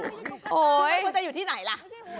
คุณควรจะอยู่ที่ไหนล่ะ